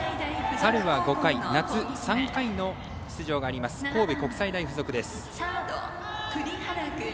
春は５回、夏は３回の出場がある神戸国際大付属です。